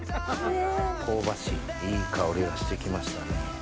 香ばしいいい香りがして来ましたね。